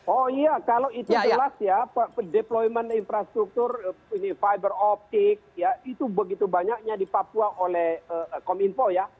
oh iya kalau itu jelas ya deployment infrastruktur fiber optic ya itu begitu banyaknya di papua oleh kominfo ya